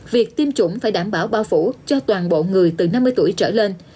việc tiêm chủng phải đảm bảo bao phủ cho toàn bộ người từ năm mươi tuổi trở lên